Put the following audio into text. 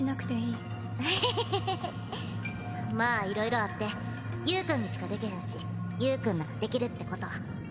まあいろいろあってゆーくんにしかでけへんしゆーくんならできるってこと。